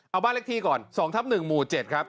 เอาบ้านเลขที่ก่อน๒ทับ๑หมู่๗ครับ